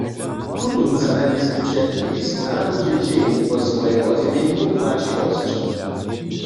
Tutón zarjadniski předpis nabudźe dźeń po swojim wozjewjenju płaćiwosć.